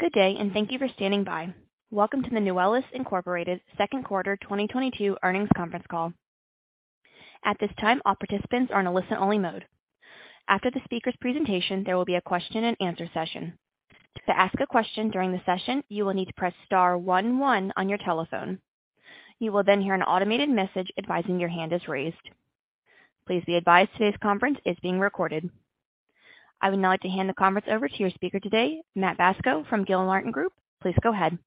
Good day and thank you for standing by. Welcome to the Nuwellis, Inc second quarter 2022 earnings conference call. At this time, all participants are in a listen-only mode. After the speaker's presentation, there will be a question and answer session. To ask a question during the session, you will need to press star one one on your telephone. You will then hear an automated message advising your hand is raised. Please be advised today's conference is being recorded. I would now like to hand the conference over to your speaker today, Matt Bacso from Gilmartin Group. Please go ahead.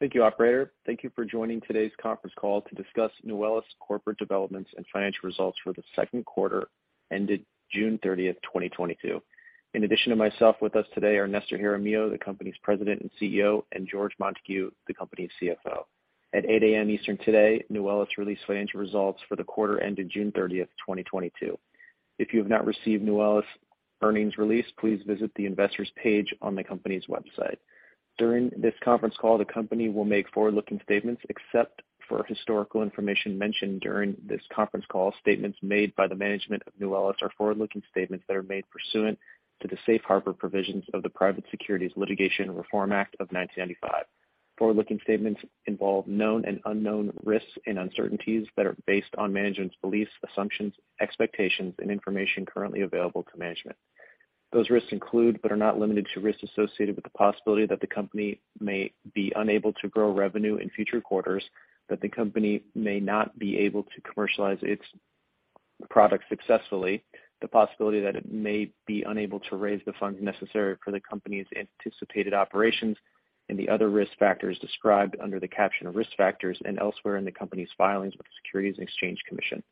Thank you, operator. Thank you for joining today's conference call to discuss Nuwellis corporate developments and financial results for the second quarter ended June 30, 2022. In addition to myself, with us today are Nestor Jaramillo, the company's President and CEO, and George Montague, the company's CFO. At 8:00 A.M. Eastern today, Nuwellis released financial results for the quarter ended June 30th, 2022. If you have not received Nuwellis earnings release, please visit the investors page on the company's website. During this conference call, the company will make forward-looking statements except for historical information mentioned during this conference call. Statements made by the management of Nuwellis are forward-looking statements that are made pursuant to the safe harbor provisions of the Private Securities Litigation Reform Act of 1995. Forward-looking statements involve known and unknown risks and uncertainties that are based on management's beliefs, assumptions, expectations and information currently available to management. Those risks include, but are not limited to, risks associated with the possibility that the company may be unable to grow revenue in future quarters, that the company may not be able to commercialize its products successfully, the possibility that it may be unable to raise the funds necessary for the company's anticipated operations, and the other risk factors described under the caption of Risk Factors and elsewhere in the company's filings with the Securities and Exchange Commission.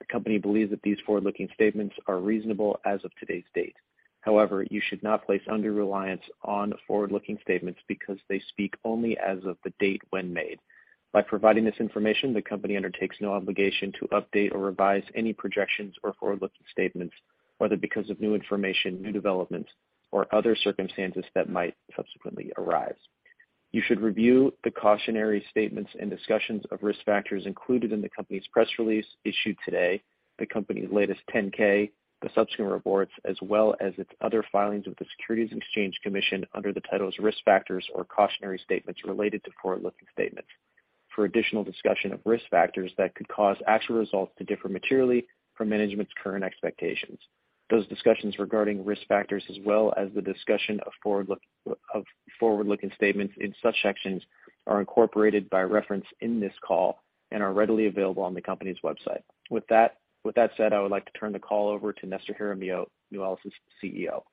The company believes that these forward-looking statements are reasonable as of today's date. However, you should not place undue reliance on forward-looking statements because they speak only as of the date when made. By providing this information, the company undertakes no obligation to update or revise any projections or forward-looking statements, whether because of new information, new developments, or other circumstances that might subsequently arise. You should review the cautionary statements and discussions of risk factors included in the company's press release issued today, the company's latest 10-K, the subsequent reports, as well as its other filings with the Securities and Exchange Commission under the titles Risk Factors or Cautionary Statements Related to Forward-Looking Statements for additional discussion of risk factors that could cause actual results to differ materially from management's current expectations. Those discussions regarding risk factors as well as the discussion of forward-looking statements in such sections are incorporated by reference in this call and are readily available on the company's website. With that said, I would like to turn the call over to Nestor Jaramillo, Nuwellis' CEO.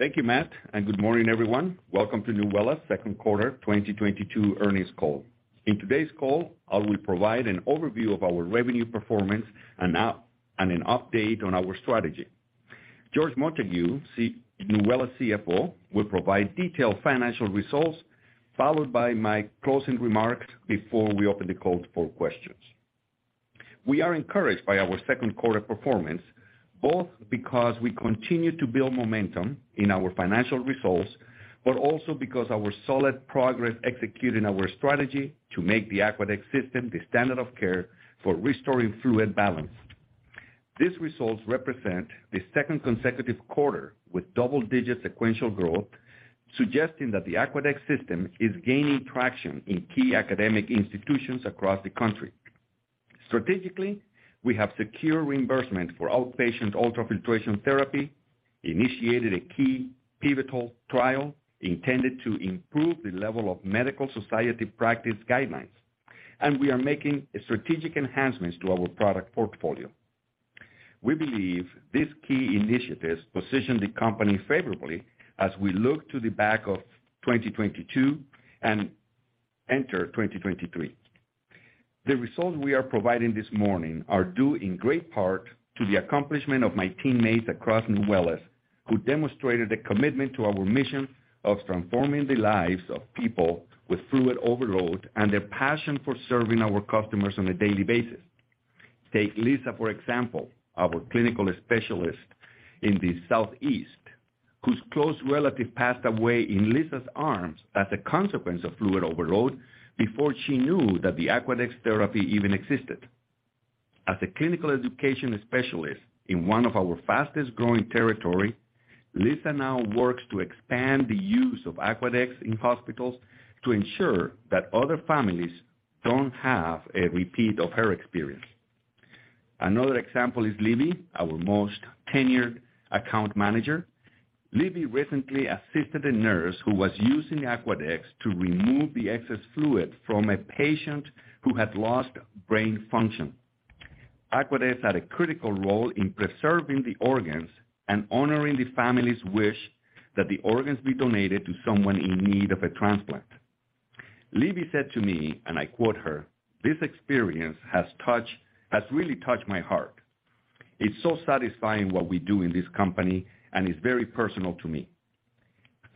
Thank you, Matt, and good morning, everyone. Welcome to Nuwellis second quarter 2022 earnings call. In today's call, I will provide an overview of our revenue performance and outlook, and an update on our strategy. George Montague, Nuwellis CFO, will provide detailed financial results followed by my closing remarks before we open the call for questions. We are encouraged by our second quarter performance, both because we continue to build momentum in our financial results, but also because our solid progress executing our strategy to make the Aquadex system the standard of care for restoring fluid balance. These results represent the second consecutive quarter with double-digit sequential growth, suggesting that the Aquadex system is gaining traction in key academic institutions across the country. Strategically, we have secured reimbursement for outpatient ultrafiltration therapy, initiated a key pivotal trial intended to improve the level of medical society practice guidelines, and we are making strategic enhancements to our product portfolio. We believe these key initiatives position the company favorably as we look to the back of 2022 and enter 2023. The results we are providing this morning are due in great part to the accomplishment of my teammates across Nuwellis, who demonstrated a commitment to our mission of transforming the lives of people with fluid overload and their passion for serving our customers on a daily basis. Take Lisa, for example, our clinical specialist in the Southeast, whose close relative passed away in Lisa's arms as a consequence of fluid overload before she knew that the Aquadex therapy even existed. As a clinical education specialist in one of our fastest-growing territory, Lisa now works to expand the use of Aquadex in hospitals to ensure that other families don't have a repeat of her experience. Another example is Libby, our most tenured account manager. Libby recently assisted a nurse who was using Aquadex to remove the excess fluid from a patient who had lost brain function. Aquadex had a critical role in preserving the organs and honoring the family's wish that the organs be donated to someone in need of a transplant. Libby said to me, and I quote her, "This experience has really touched my heart. It's so satisfying what we do in this company, and it's very personal to me."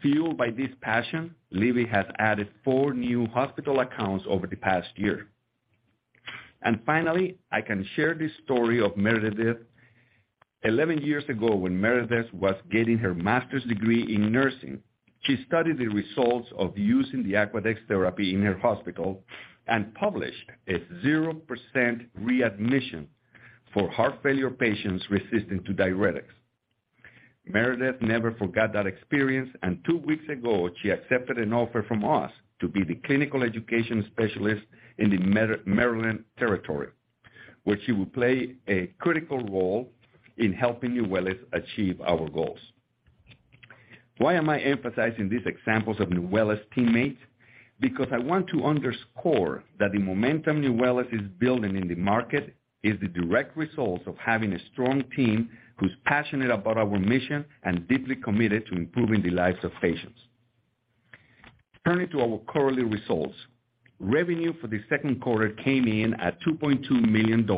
Fueled by this passion, Libby has added four new hospital accounts over the past year. Finally, I can share this story of Meredith. Eleven years ago, when Meredith was getting her master's degree in nursing, she studied the results of using the Aquadex therapy in her hospital and published a 0% re-admission for heart failure patients resistant to diuretics. Meredith never forgot that experience, and two weeks ago, she accepted an offer from us to be the clinical education specialist in the Maryland territory, where she will play a critical role in helping Nuwellis achieve our goals. Why am I emphasizing these examples of Nuwellis teammates? Because I want to underscore that the momentum Nuwellis is building in the market is the direct result of having a strong team who is passionate about our mission and deeply committed to improving the lives of patients. Turning to our quarterly results, revenue for the second quarter came in at $2.2 million,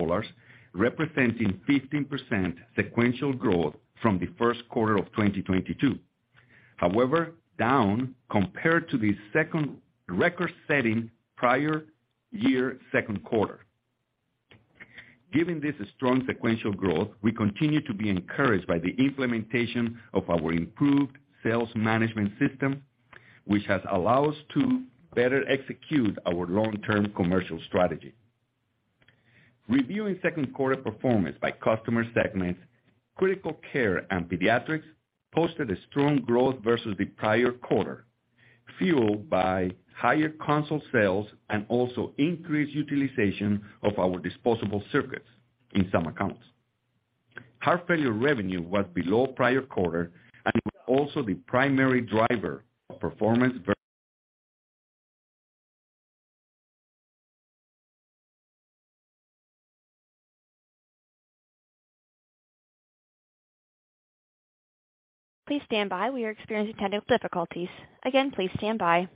representing 15% sequential growth from the first quarter of 2022, however down compared to the second recording setting prior year second quarter. Given this strong sequential growth, we continue to be encouraged by the implementation of our improved sales management system, which has allowed us to better execute our long-term commercial strategy. Reviewing second quarter performance by customer segment, critical care and pediatrics posted strong growth versus the prior quarter, fueled by higher console sales and also increased utilization of ourdisposable circuit in accounts. Heart failure revenue was below the prior quarter and it poses the primary driver for lower performance. We again are experiencing difficulties. Please stand by.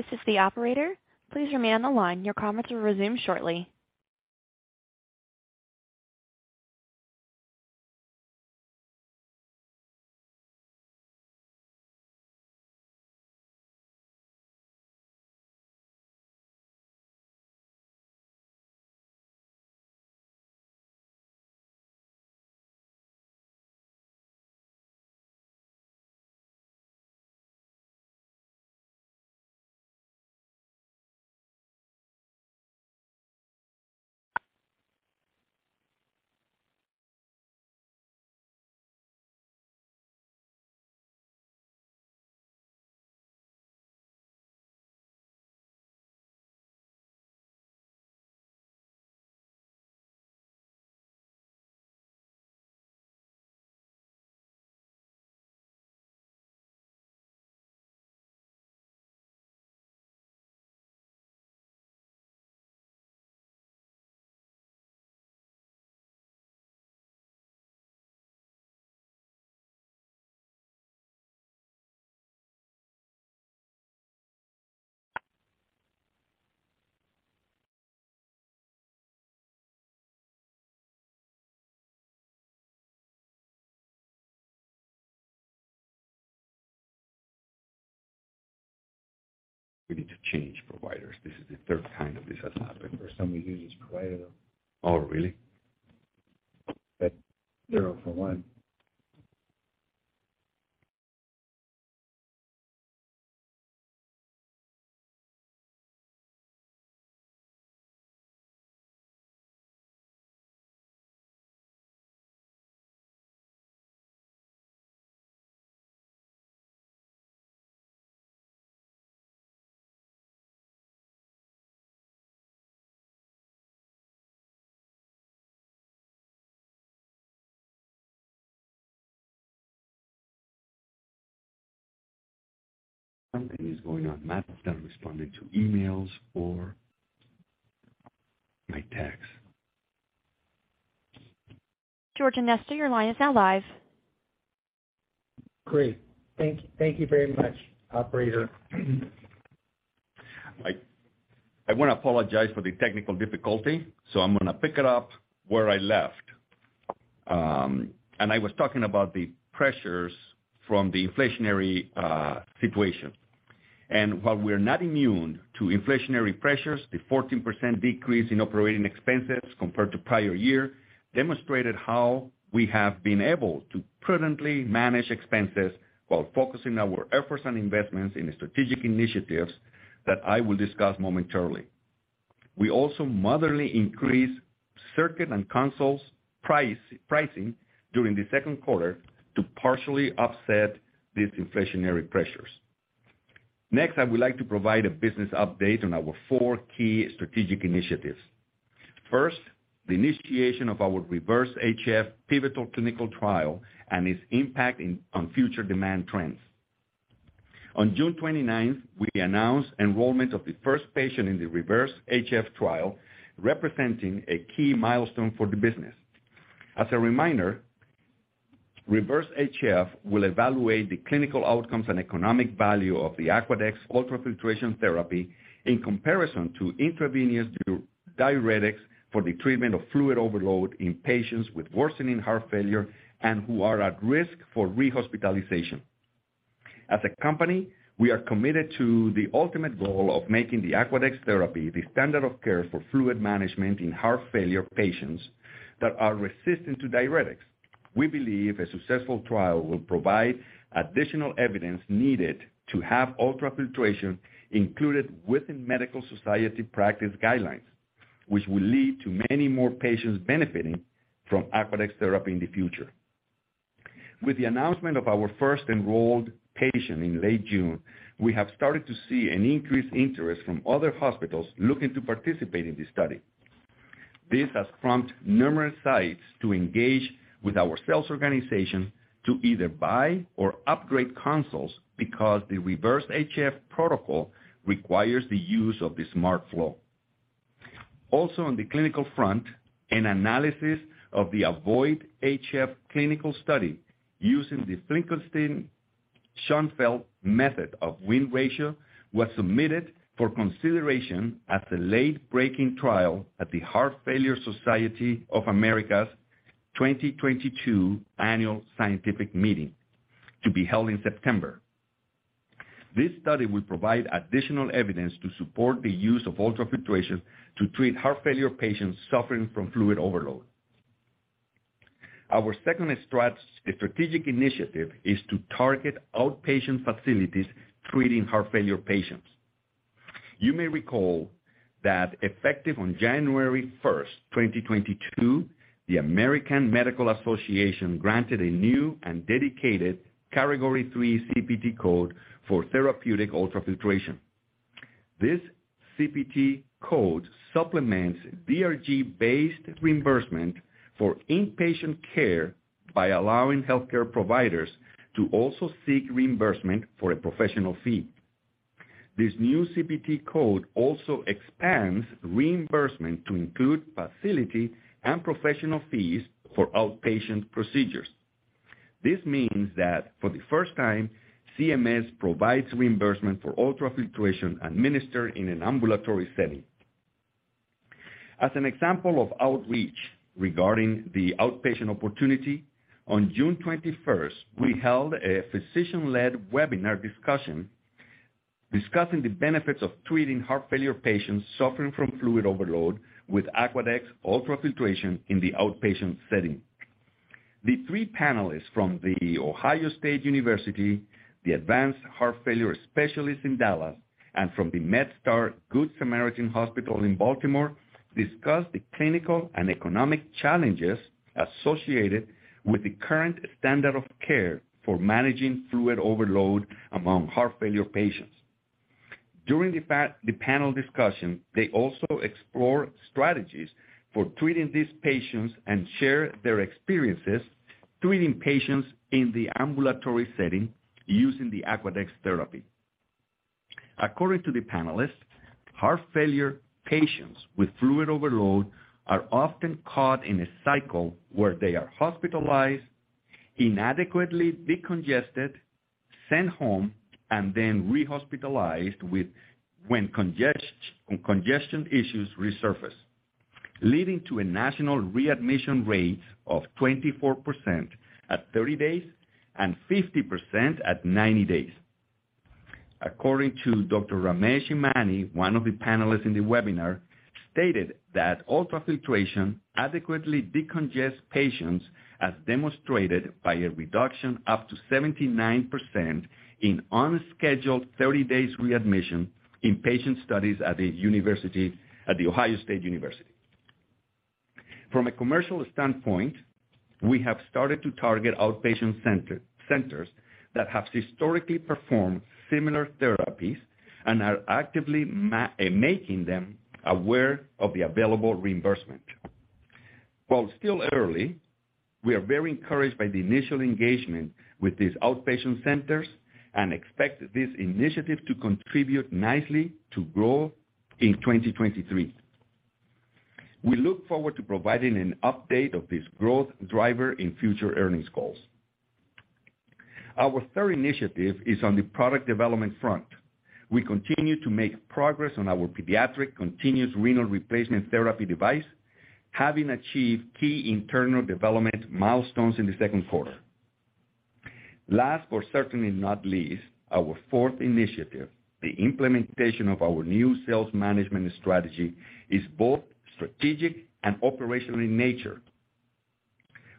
This is the operator. Please remain on the line. Your comments will resume shortly. We need to change providers. This is the third time that this has happened. First time we've used this provider, though. Oh, really? Zero for one. Something is going on. Matt's not responding to emails or my texts. George, Nestor, your line is now live. Great. Thank you very much, operator. I want to apologize for the technical difficulty, so I'm gonna pick it up where I left. I was talking about the pressures from the inflationary situation. While we're not immune to inflationary pressures, the 14% decrease in operating expenses compared to prior year demonstrated how we have been able to prudently manage expenses while focusing our efforts on investments in the strategic initiatives that I will discuss momentarily. We also moderately increased circuit and consoles pricing during the second quarter to partially offset these inflationary pressures. Next, I would like to provide a business update on our four key strategic initiatives. First, the initiation of our REVERSE-HF pivotal clinical trial and its impact on future demand trends. On June 29th, we announced enrollment of the first patient in the REVERSE-HF trial, representing a key milestone for the business. As a reminder, REVERSE-HF will evaluate the clinical outcomes and economic value of the Aquadex ultrafiltration therapy in comparison to intravenous diuretics for the treatment of fluid overload in patients with worsening heart failure and who are at risk for rehospitalization. As a company, we are committed to the ultimate goal of making the Aquadex therapy the standard of care for fluid management in heart failure patients that are resistant to diuretics. We believe a successful trial will provide additional evidence needed to have ultrafiltration included within medical society practice guidelines, which will lead to many more patients benefiting from Aquadex therapy in the future. With the announcement of our first enrolled patient in late June, we have started to see an increased interest from other hospitals looking to participate in this study. This has prompted numerous sites to engage with our sales organization to either buy or upgrade consoles because the REVERSE-HF protocol requires the use of the SmartFlow. Also, on the clinical front, an analysis of the AVOID-HF clinical study using the Finkelstein-Schoenfeld method of win ratio was submitted for consideration as a late-breaking trial at the Heart Failure Society of America's 2022 annual scientific meeting to be held in September. This study will provide additional evidence to support the use of ultrafiltration to treat heart failure patients suffering from fluid overload. Our second strategic initiative is to target outpatient facilities treating heart failure patients. You may recall that effective on January 1st, 2022, the American Medical Association granted a new and dedicated Category III CPT code for therapeutic ultrafiltration. This CPT code supplements DRG-based reimbursement for inpatient care by allowing healthcare providers to also seek reimbursement for a professional fee. This new CPT code also expands reimbursement to include facility and professional fees for outpatient procedures. This means that for the first time, CMS provides reimbursement for ultrafiltration administered in an ambulatory setting. As an example of outreach regarding the outpatient opportunity, on June 21st, we held a physician-led webinar discussion discussing the benefits of treating heart failure patients suffering from fluid overload with Aquadex ultrafiltration in the outpatient setting. The three panelists from The Ohio State University, the Advanced Heart Failure Specialists in Dallas, and from the MedStar Good Samaritan Hospital in Baltimore, discussed the clinical and economic challenges associated with the current standard of care for managing fluid overload among heart failure patients. During the panel discussion, they also explore strategies for treating these patients and share their experiences treating patients in the ambulatory setting using the Aquadex therapy. According to the panelists, heart failure patients with fluid overload are often caught in a cycle where they are hospitalized, inadequately decongested, sent home, and then re-hospitalized when congestion issues resurface, leading to a national readmission rate of 24% at 30 days and 50% at 90 days. According to Dr. Ramesh Emani, one of the panelists in the webinar stated that ultrafiltration adequately decongest patients as demonstrated by a reduction up to 79% in unscheduled 30-day readmission in patient studies at the Ohio State University. From a commercial standpoint, we have started to target outpatient centers that have historically performed similar therapies and are actively making them aware of the available reimbursement. While still early, we are very encouraged by the initial engagement with these outpatient centers and expect this initiative to contribute nicely to growth in 2023. We look forward to providing an update of this growth driver in future earnings calls. Our third initiative is on the product development front. We continue to make progress on our pediatric continuous renal replacement therapy device, having achieved key internal development milestones in the second quarter. Last, but certainly not least, our fourth initiative, the implementation of our new sales management strategy is both strategic and operational in nature.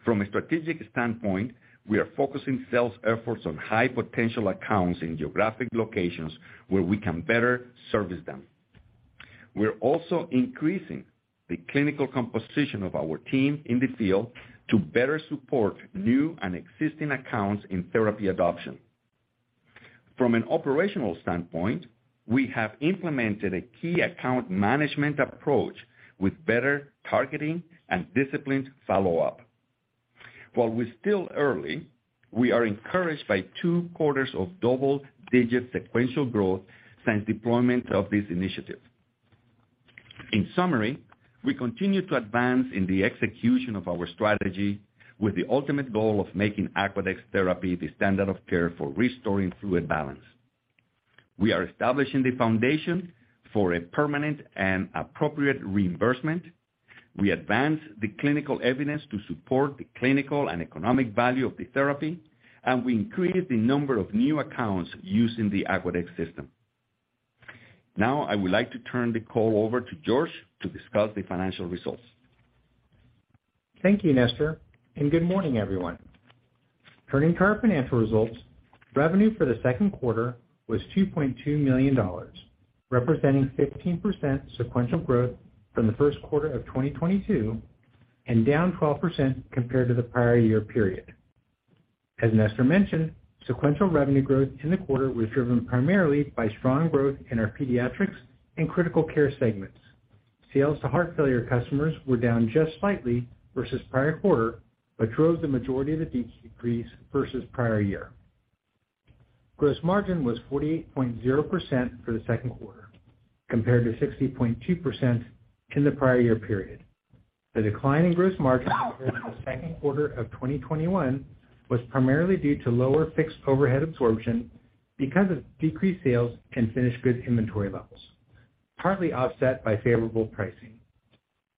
From a strategic standpoint, we are focusing sales efforts on high potential accounts in geographic locations where we can better service them. We're also increasing the clinical composition of our team in the field to better support new and existing accounts in therapy adoption. From an operational standpoint, we have implemented a key account management approach with better targeting and disciplined follow-up. While we're still early, we are encouraged by two quarters of double-digit sequential growth since deployment of this initiative. In summary, we continue to advance in the execution of our strategy with the ultimate goal of making Aquadex Therapy the standard of care for restoring fluid balance. We are establishing the foundation for a permanent and appropriate reimbursement. We advance the clinical evidence to support the clinical and economic value of the therapy, and we increased the number of new accounts using the Aquadex system. Now, I would like to turn the call over to George to discuss the financial results. Thank you, Nestor, and good morning, everyone. Turning to our financial results, revenue for the second quarter was $2.2 million, representing 15% sequential growth from the first quarter of 2022 and down 12% compared to the prior year period. As Nestor mentioned, sequential revenue growth in the quarter was driven primarily by strong growth in our pediatrics and critical care segments. Sales to heart failure customers were down just slightly versus prior quarter, but drove the majority of the decrease versus prior year. Gross margin was 48.0% for the second quarter, compared to 60.2% in the prior year period. The decline in gross margin in the second quarter of 2021 was primarily due to lower fixed overhead absorption because of decreased sales and finished goods inventory levels, partly offset by favorable pricing.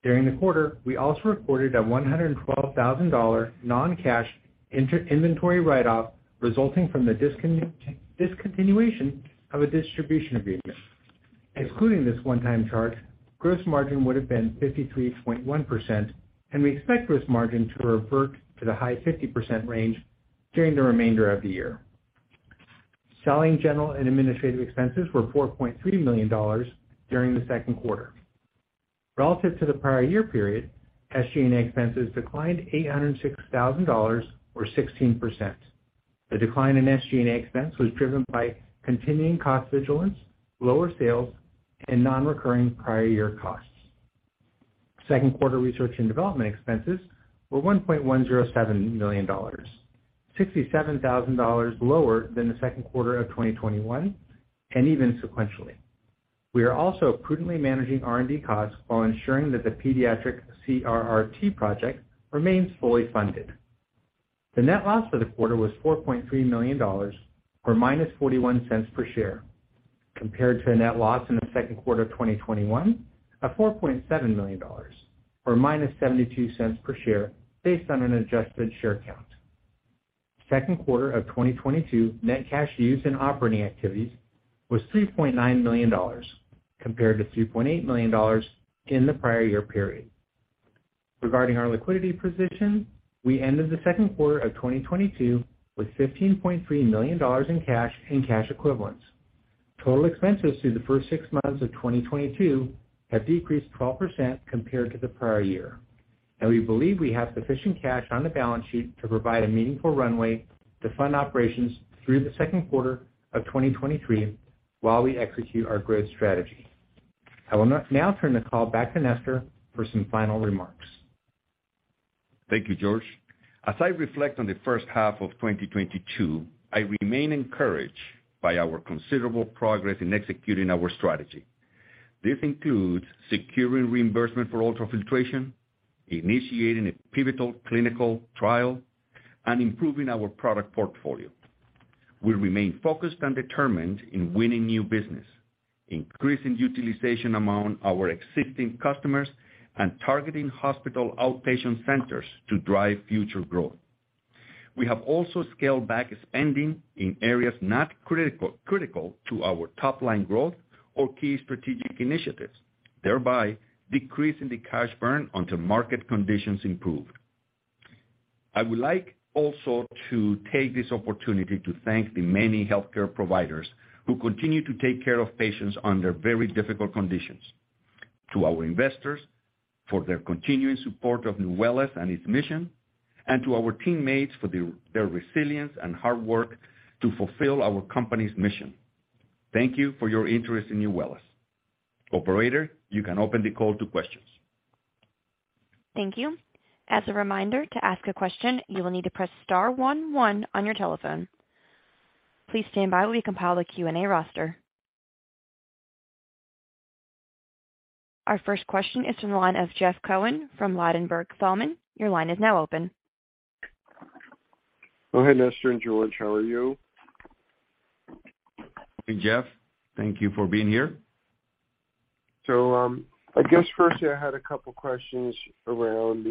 During the quarter, we also reported a $112,000 non-cash inventory write-off resulting from the discontinuation of a distribution agreement. Excluding this one-time charge, gross margin would have been 53.1%, and we expect gross margin to revert to the high 50% range during the remainder of the year. Selling general and administrative expenses were $4.3 million during the second quarter. Relative to the prior year period, SG&A expenses declined $806,000 or 16%. The decline in SG&A expense was driven by continuing cost vigilance, lower sales, and non-recurring prior year costs. Second quarter research and development expenses were $1.107 million, $67,000 lower than the second quarter of 2021 and even sequentially. We are also prudently managing R&D costs while ensuring that the pediatric CRRT project remains fully funded. The net loss for the quarter was $4.3 million or -$0.41 per share, compared to a net loss in the second quarter of 2021 of $4.7 million or -$0.72 per share based on an adjusted share count. Second quarter of 2022 net cash used in operating activities was $3.9 million, compared to $2.8 million in the prior year period. Regarding our liquidity position, we ended the second quarter of 2022 with $15.3 million in cash and cash equivalents. Total expenses through the first six months of 2022 have decreased 12% compared to the prior year. We believe we have sufficient cash on the balance sheet to provide a meaningful runway to fund operations through the second quarter of 2023 while we execute our growth strategy. I will now turn the call back to Nestor for some final remarks. Thank you, George. As I reflect on the first half of 2022, I remain encouraged by our considerable progress in executing our strategy. This includes securing reimbursement for ultrafiltration, initiating a pivotal clinical trial, and improving our product portfolio. We remain focused and determined in winning new business, increasing utilization among our existing customers, and targeting hospital outpatient centers to drive future growth. We have also scaled back spending in areas not critical to our top-line growth or key strategic initiatives, thereby decreasing the cash burn until market conditions improve. I would like also to take this opportunity to thank the many healthcare providers who continue to take care of patients under very difficult conditions, to our investors for their continuing support of Nuwellis and its mission, and to our teammates for their resilience and hard work to fulfill our company's mission. Thank you for your interest in Nuwellis. Operator, you can open the call to questions. Thank you. As a reminder, to ask a question, you will need to press star one one on your telephone. Please stand by while we compile a Q&A roster. Our first question is from the line of Jeff Cohen from Ladenburg Thalmann. Your line is now open. Oh, hey, Nestor and George. How are you? Hey, Jeff. Thank you for being here. I guess firstly, I had a couple questions around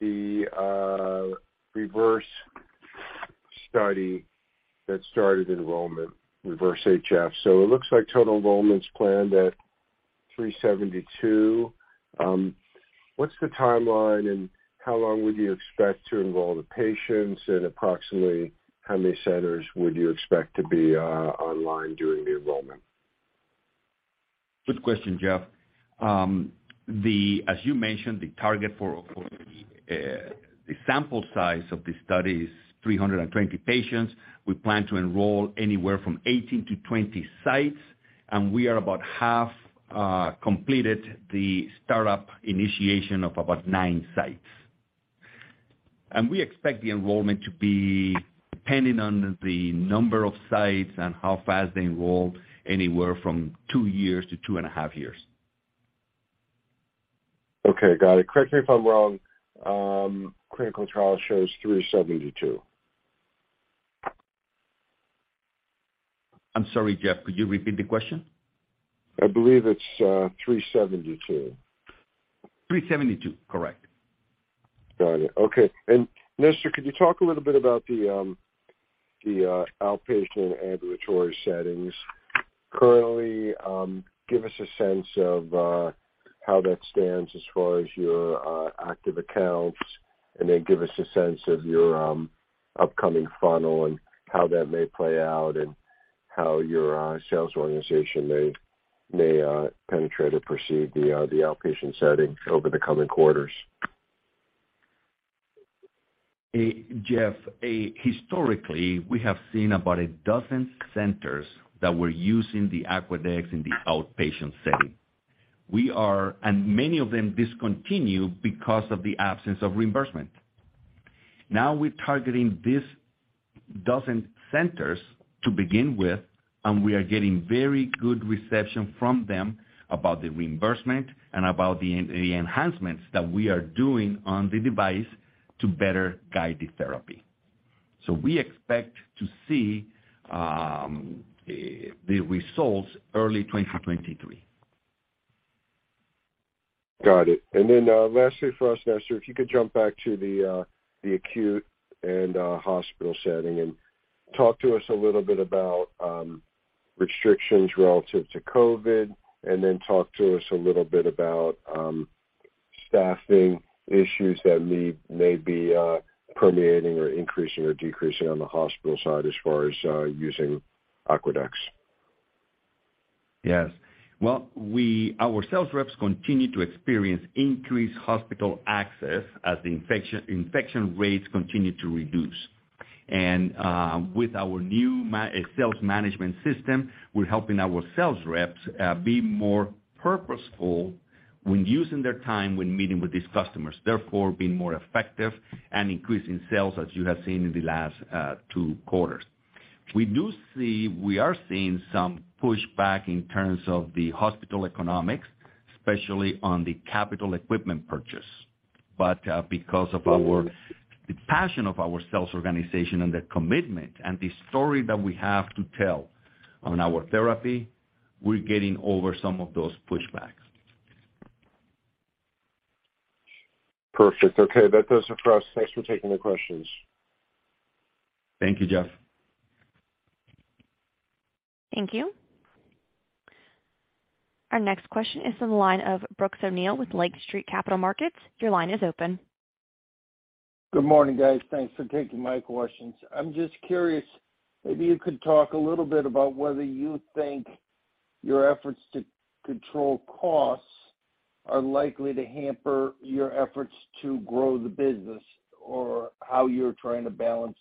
the REVERSE-HF study that started enrollment, REVERSE-HF. It looks like total enrollment's planned at 372. What's the timeline, and how long would you expect to enroll the patients? And approximately how many centers would you expect to be online during the enrollment? Good question, Jeff. As you mentioned, the target for the sample size of the study is 320 patients. We plan to enroll anywhere from 18-20 sites, and we are about half completed the start-up initiation of about nine sites. We expect the enrollment to be depending on the number of sites and how fast they enroll, anywhere from two years to 2.5 years. Okay, got it. Correct me if I'm wrong, clinical trial shows 372. I'm sorry, Jeff, could you repeat the question? I believe it's 372. 372, correct. Got it. Okay. Nestor, could you talk a little bit about the outpatient ambulatory settings currently? Give us a sense of how that stands as far as your active accounts and then give us a sense of your upcoming funnel and how that may play out, and how your sales organization may penetrate or perceive the outpatient settings over the coming quarters. Jeff, historically, we have seen about a dozen centers that were using the Aquadex in the outpatient setting. Many of them discontinued because of the absence of reimbursement. Now we're targeting this dozen centers to begin with, and we are getting very good reception from them about the reimbursement and about the enhancements that we are doing on the device to better guide the therapy. We expect to see the results early 2023. Got it. Lastly for us, Nestor, if you could jump back to the acute and hospital setting and talk to us a little bit about restrictions relative to COVID, and then talk to us a little bit about staffing issues that may be permeating or increasing or decreasing on the hospital side as far as using Aquadex. Yes. Well, our sales reps continue to experience increased hospital access as the infection rates continue to reduce. With our new sales management system, we're helping our sales reps be more purposeful when using their time when meeting with these customers, therefore being more effective and increasing sales, as you have seen in the last two quarters. We are seeing some pushback in terms of the hospital economics, especially on the capital equipment purchase. Because of the passion of our sales organization and the commitment and the story that we have to tell on our therapy, we're getting over some of those pushbacks. Perfect. Okay. That does it for us. Thanks for taking the questions. Thank you, Jeff. Thank you. Our next question is from the line of Brooks O'Neil with Lake Street Capital Markets. Your line is open. Good morning, guys. Thanks for taking my questions. I'm just curious, maybe you could talk a little bit about whether you think your efforts to control costs are likely to hamper your efforts to grow the business or how you're trying to balance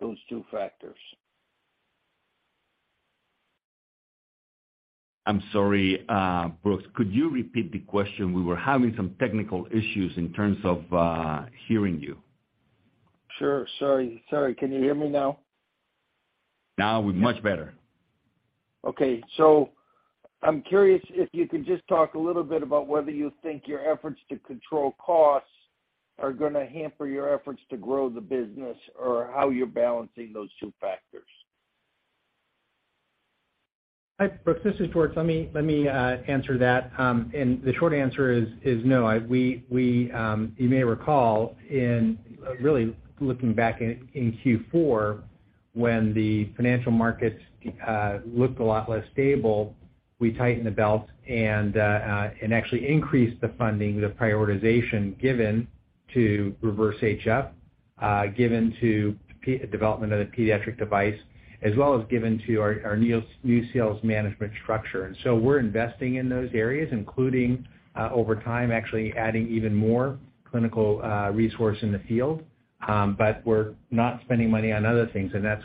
those two factors. I'm sorry, Brooks, could you repeat the question? We were having some technical issues in terms of hearing you. Sure. Sorry. Can you hear me now? Now we're much better. Okay, I'm curious if you could just talk a little bit about whether you think your efforts to control costs are gonna hamper your efforts to grow the business or how you're balancing those two factors. Hi, Brooks, this is George. Let me answer that. The short answer is no. You may recall in really looking back in Q4 when the financial markets looked a lot less stable, we tightened the belt and actually increased the funding, the prioritization given to REVERSE-HF, given to development of the pediatric device, as well as given to our new sales management structure. We're investing in those areas, including over time, actually adding even more clinical resource in the field. We're not spending money on other things. That's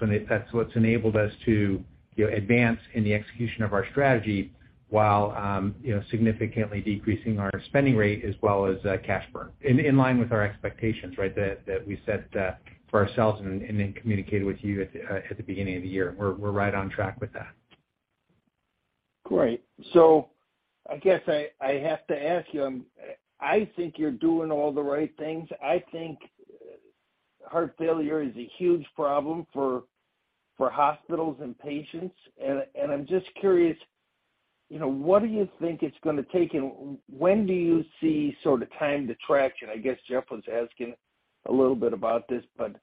what's enabled us to, you know, advance in the execution of our strategy while, you know, significantly decreasing our spending rate as well as cash burn in line with our expectations, right? That we set for ourselves and then communicated with you at the beginning of the year. We're right on track with that. Great. I guess I have to ask you. I think you're doing all the right things. I think heart failure is a huge problem for hospitals and patients. I'm just curious, you know, what do you think it's gonna take? When do you see sort of time to traction? I guess Jeff was asking a little bit about this, but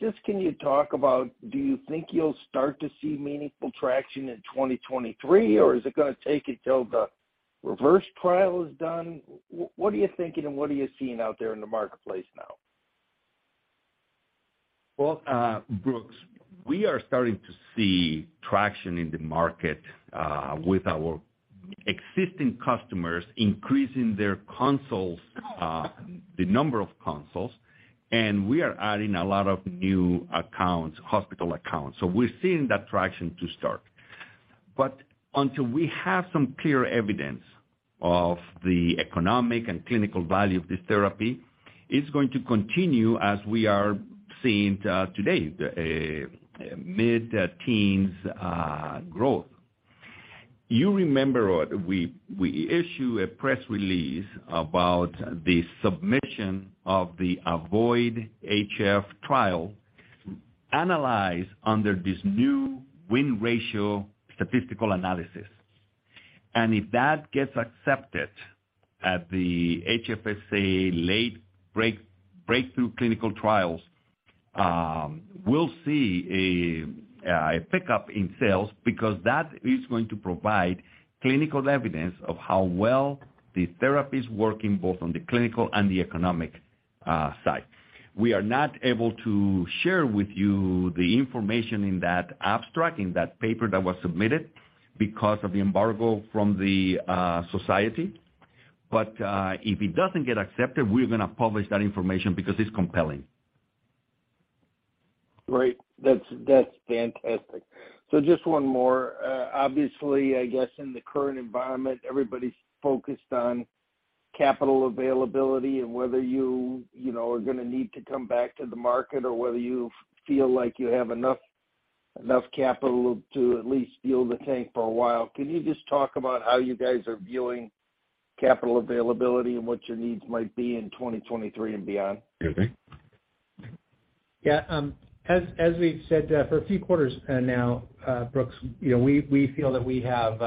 just can you talk about do you think you'll start to see meaningful traction in 2023 or is it gonna take until the reverse trial is done? What are you thinking and what are you seeing out there in the marketplace now? Well, Brooks, we are starting to see traction in the market with our existing customers increasing their consoles, the number of consoles, and we are adding a lot of new accounts, hospital accounts. We're seeing that traction to start. Until we have some clear evidence of the economic and clinical value of this therapy, it's going to continue as we are seeing today, the mid-teens growth. You remember we issue a press release about the submission of the AVOID-HF trial analyzed under this new win ratio statistical analysis. If that gets accepted at the HFSA late-breaking breakthrough clinical trials, we'll see a pick up in sales because that is going to provide clinical evidence of how well the therapy's working both on the clinical and the economic side. We are not able to share with you the information in that abstract, in that paper that was submitted because of the embargo from the society. If it doesn't get accepted, we're gonna publish that information because it's compelling. Great. That's fantastic. Just one more. Obviously, I guess in the current environment, everybody's focused on capital availability and whether you know, are gonna need to come back to the market or whether you feel like you have enough capital to at least fuel the tank for a while. Can you just talk about how you guys are viewing capital availability and what your needs might be in 2023 and beyond? George. Yeah. As we've said for a few quarters now, Brooks, you know, we feel that we have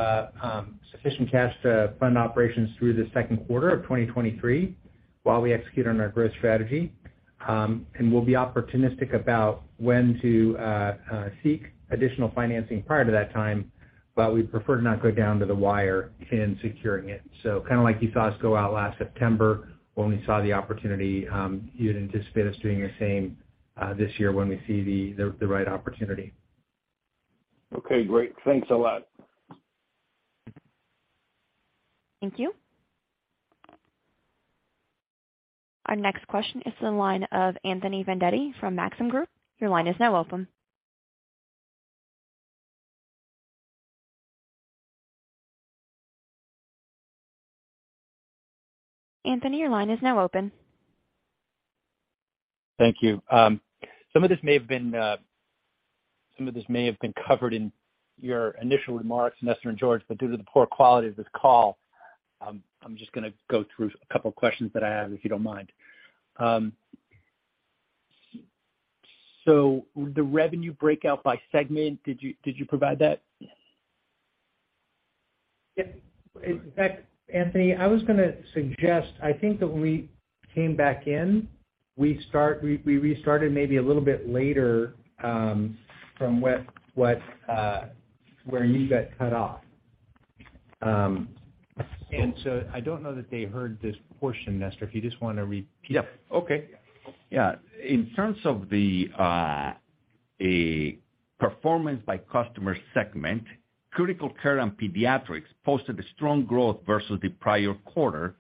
sufficient cash to fund operations through the second quarter of 2023 while we execute on our growth strategy. We'll be opportunistic about when to seek additional financing prior to that time, but we prefer not go down to the wire in securing it. Kind of like you saw us go out last September when we saw the opportunity, you'd anticipate us doing the same this year when we see the right opportunity. Okay, great. Thanks a lot. Thank you. Our next question is the line of Anthony Vendetti from Maxim Group. Your line is now open. Anthony, your line is now open. Thank you. Some of this may have been covered in your initial remarks, Nestor and George, but due to the poor quality of this call, I'm just gonna go through a couple questions that I have, if you don't mind. The revenue breakout by segment, did you provide that? Yeah. In fact, Anthony, I was gonna suggest, I think that when we came back in, we restarted maybe a little bit later from what where you got cut off. I don't know that they heard this portion, Nestor, if you just wanna repeat. In terms of the performance by customer segment, critical care and pediatrics posted a strong growth versus the prior quarter,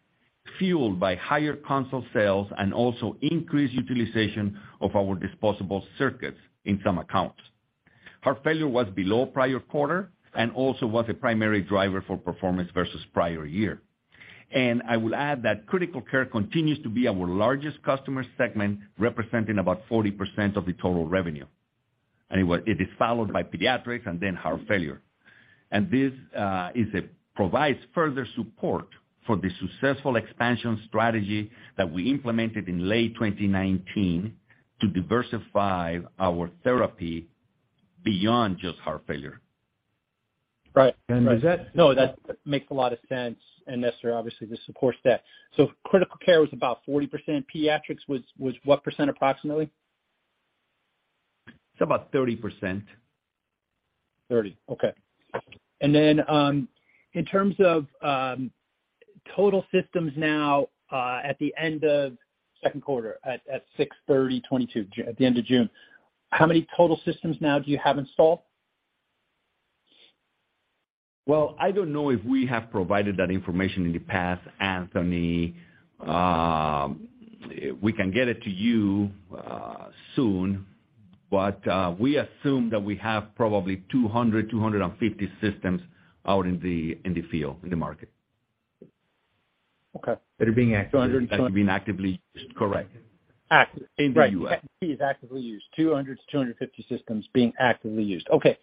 fueled by higher console sales and also increased utilization of our disposable circuits in some accounts. Heart failure was below prior quarter and also was a primary driver for performance versus prior year. I will add that critical care continues to be our largest customer segment, representing about 40% of the total revenue. Anyway, it is followed by pediatrics and then heart failure. This provides further support for the successful expansion strategy that we implemented in late 2019 to diversify our therapy beyond just heart failure. Right. Is that? No, that makes a lot of sense. Nestor, obviously, this supports that. Critical care was about 40%. Pediatrics was what percent approximately? It's about 30%. 30%. Okay. Then, in terms of total systems now, at the end of second quarter at 6/30/2022, at the end of June, how many total systems now do you have installed? Well, I don't know if we have provided that information in the past, Anthony. We can get it to you soon, but we assume that we have probably 200-250 systems out in the field in the market. Okay. That are being actively- 200 and- That are being actively used. Correct. Active. In the U.S. is actively used. 200-250 systems being actively used. Okay.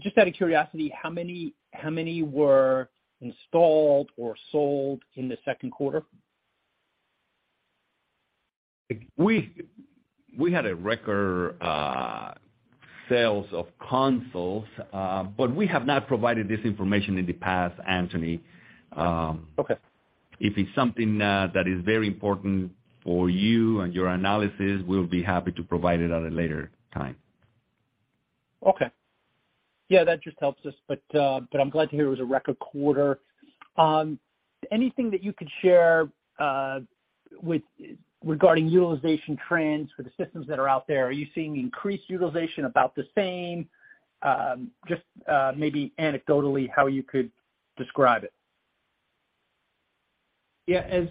Just out of curiosity, how many were installed or sold in the second quarter? We had a record sales of consoles, but we have not provided this information in the past, Anthony. Okay. If it's something that is very important for you and your analysis, we'll be happy to provide it at a later time. Okay. Yeah, that just helps us. I'm glad to hear it was a record quarter. Anything that you could share regarding utilization trends for the systems that are out there, are you seeing increased utilization about the same? Just maybe anecdotally how you could describe it. As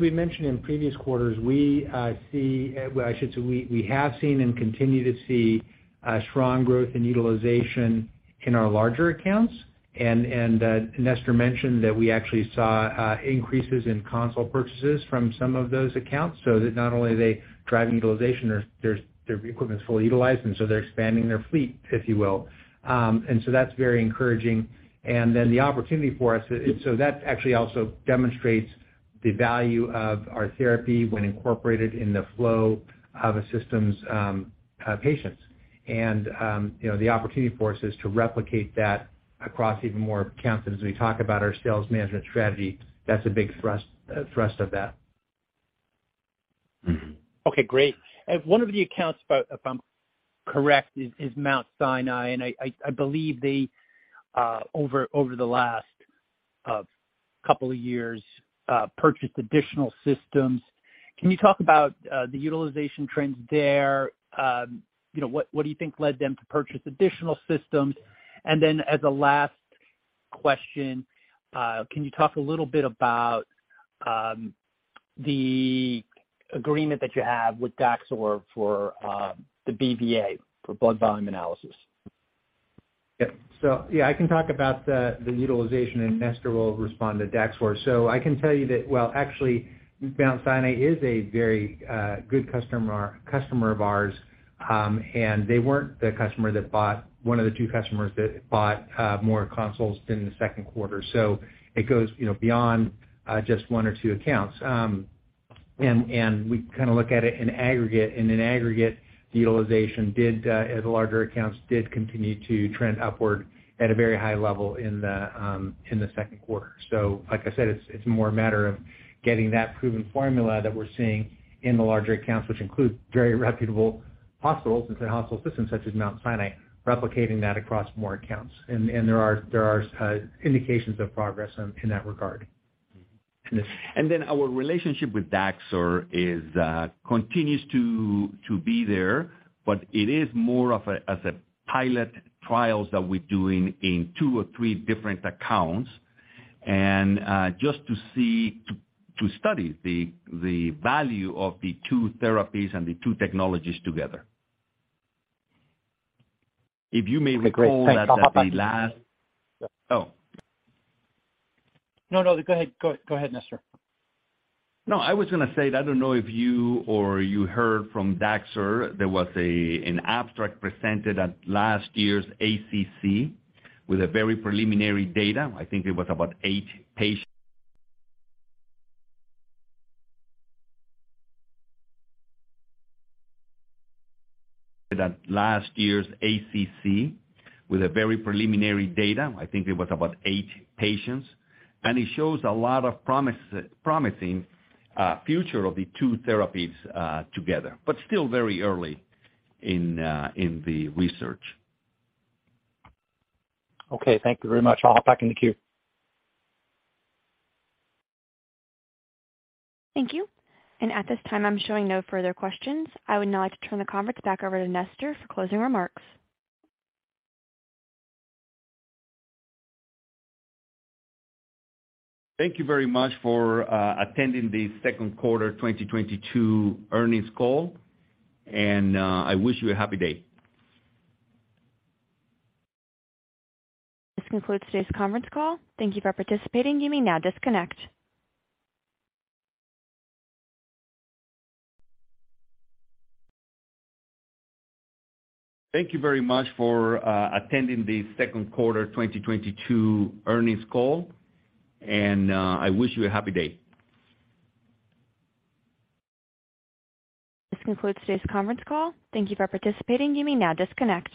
we mentioned in previous quarters, we have seen and continue to see strong growth in utilization in our larger accounts. Nestor mentioned that we actually saw increases in console purchases from some of those accounts, so that not only are they driving utilization or their equipment's fully utilized, and they're expanding their fleet, if you will. That's very encouraging. That actually also demonstrates the value of our therapy when incorporated in the flow of a system's patients. You know, the opportunity for us is to replicate that across even more accounts as we talk about our sales management strategy. That's a big thrust of that. Mm-hmm. Okay, great. One of the accounts, if I'm correct, is Mount Sinai, and I believe they over the last couple of years purchased additional systems. Can you talk about the utilization trends there? You know, what do you think led them to purchase additional systems? Then as a last question, can you talk a little bit about the agreement that you have with Daxor for the BVA for blood volume analysis? I can talk about the utilization and Nestor will respond to Daxor. I can tell you that. Well, actually, Mount Sinai is a very good customer of ours, and they weren't one of the two customers that bought more consoles in the second quarter. It goes, you know, beyond just one or two accounts. We kinda look at it in aggregate. In aggregate, the larger accounts did continue to trend upward at a very high level in the second quarter. Like I said, it's more a matter of getting that proven formula that we're seeing in the larger accounts, which includes very reputable hospitals and hospital systems such as Mount Sinai, replicating that across more accounts. There are indications of progress in that regard. Our relationship with Daxor is continuing to be there, but it is more of a, as a pilot trials that we're doing in two or three different accounts, and just to see, to study the value of the two therapies and the two technologies together. If you may recall that at the last No. Go ahead, Nestor. No, I was gonna say, I don't know if you heard from Daxor. There was an abstract presented at last year's ACC with very preliminary data. I think it was about eight patients. It shows a lot of promising future of the two therapies together, but still very early in the research. Okay. Thank you very much. I'll hop back in the queue. Thank you. At this time, I'm showing no further questions. I would now like to turn the conference back over to Nestor for closing remarks. Thank you very much for attending the second quarter 2022 earnings call, and I wish you a happy day. This concludes today's conference call. Thank you for participating. You may now disconnect. Thank you very much for attending the second quarter 2022 earnings call, and I wish you a happy day. This concludes today's conference call. Thank you for participating. You may now disconnect.